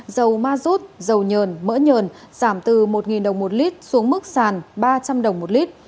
dầu ma rút dầu nhờn mỡ nhờn giảm từ một đồng một lít xuống mức sàn ba trăm linh đồng một lít